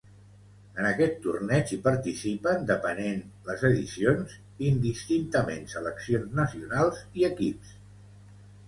En aquest torneig hi participen, depenent les edicions, indistintament seleccions nacionals i equips.